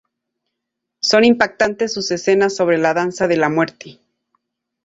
Son impactantes sus escenas sobre la danza de la muerte.